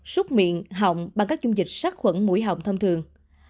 xúc miệng họng bằng các dung dịch sắc khuẩn mũi họng thông thường